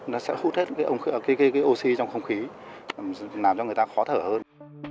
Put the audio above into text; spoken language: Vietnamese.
nó sẽ hút hết cái oxy trong không khí làm cho người ta khó thở hơn